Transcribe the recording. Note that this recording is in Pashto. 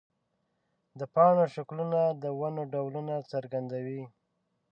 د پاڼو شکلونه د ونو ډولونه څرګندوي.